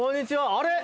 あれ？